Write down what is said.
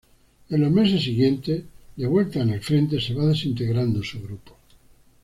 En los meses siguientes, de vuelta en el frente, se va desintegrando su grupo.